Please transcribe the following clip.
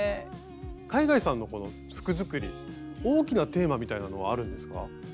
海外さんのこの服作り大きなテーマみたいなのはあるんですか？